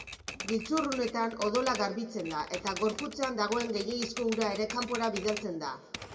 Giltzurrunetan odola garbitzen da eta gorputzean dagoen gehiegizko ura ere kanpora bidaltzen da.